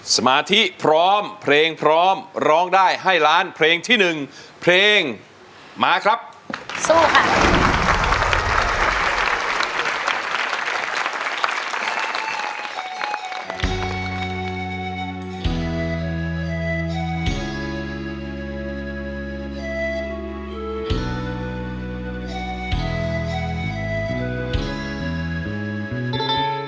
สมาธิพร้อมเพลงพร้อมร้องได้ให้ล้านเพลงที่หนึ่งเพลงมาครับสู้ค่ะ